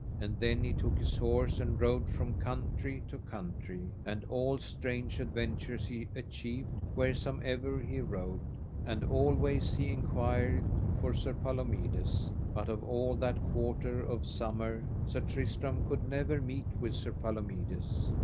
And then he took his horse, and rode from country to country, and all strange adventures he achieved wheresomever he rode; and always he enquired for Sir Palomides, but of all that quarter of summer Sir Tristram could never meet with Sir Palomides.